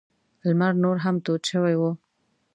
لمر نور هم تود شوی و.